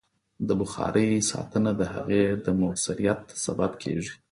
د بخارۍ ساتنه د هغې د مؤثریت سبب کېږي.